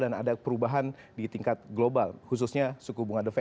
dan ada perubahan di tingkat global khususnya suku bunga fed